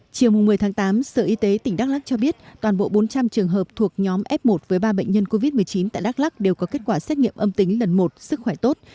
chiều một mươi tháng tám sở y tế tỉnh đắk lắc cho biết toàn bộ bốn trăm linh trường hợp thuộc nhóm f một với ba bệnh nhân covid một mươi chín tại đắk lắc đều có kết quả xét nghiệm âm tính lần một sức khỏe tốt